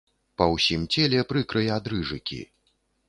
Па ўсім целе прыкрыя дрыжыкі.